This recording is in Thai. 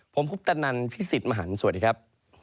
ผมคุปตะนันพี่สิทธิ์มหันฯสวัสดีครับ